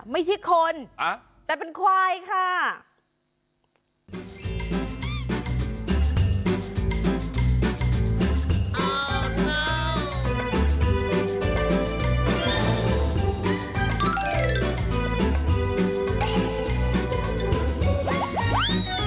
ไม่ใช่คนแต่เป็นควายค่ะ